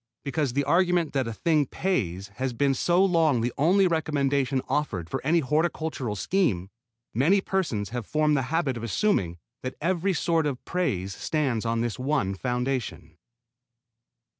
Because the argument that a thing pays has been so long the only recommendation offered for any horticultural scheme, many persons have formed the habit of assuming that every sort of praise stands on this one foundation.